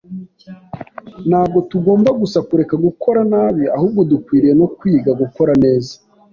Ntabwo tugomba gusa kureka gukora nabi; ahubwo dukwiriye no kwiga gukora neza.